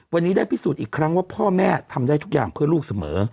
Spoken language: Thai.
วันนี้ได้พิสูจน์อีกครั้งว่าพ่อแม่ทำได้ทุกอย่างเพื่อลูกเสมอ